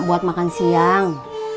buat makan siang